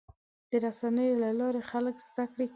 د رسنیو له لارې خلک زدهکړه کوي.